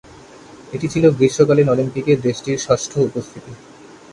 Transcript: এটি ছিল গ্রীষ্মকালীন অলিম্পিকে দেশটির ষষ্ঠ উপস্থিতি।